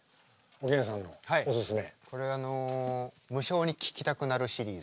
これ無性に聴きたくなるシリーズ。